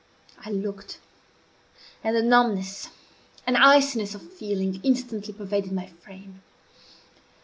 I looked, and a numbness, an iciness of feeling, instantly pervaded my frame.